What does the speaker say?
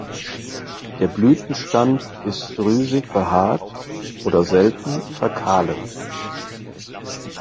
Der Blütenstand ist drüsig behaart oder selten verkahlend.